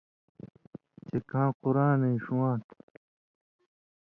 چے کاں قُرانَیں ݜُون٘واں تھہ،